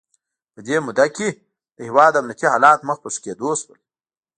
په دې موده کې د هیواد امنیتي حالات مخ په ښه کېدو شول.